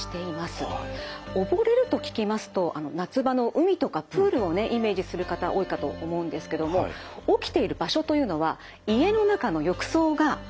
溺れると聞きますと夏場の海とかプールをねイメージする方多いかと思うんですけども起きている場所というのは家の中の浴槽がほとんどなんです。